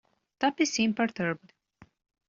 Tuppy seemed perturbed.